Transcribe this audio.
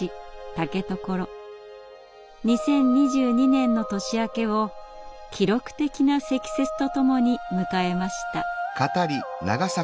２０２２年の年明けを記録的な積雪とともに迎えました。